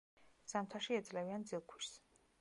ზამთარში ეძლევიან ძილქუშს.